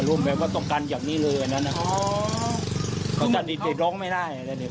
โดยสัญญาณของมนุษย์เนี่ยนะผมว่าสัตว์ยังรักลูกเลยนะ